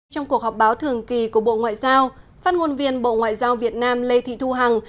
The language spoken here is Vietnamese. trong cuộc họp báo thường kỳ của bộ ngoại giao phát ngôn viên bộ ngoại giao việt nam lê thị thu hằng